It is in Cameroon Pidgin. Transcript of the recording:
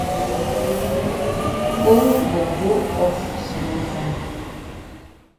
Fone go go off small time.